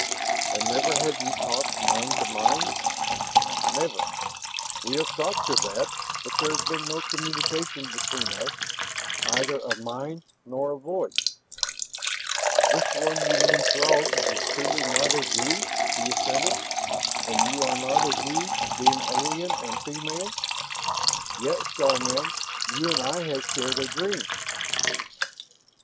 "And never have you talked mind to mind?" "Never. We have sought for that, but there has been no communication between us, neither of mind nor of voice." "This one you name Throg is truly not as you," she assented. "And we are not as you, being alien and female. Yet, star man, you and I have shared a dream."